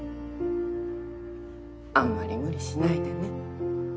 あんまり無理しないでね。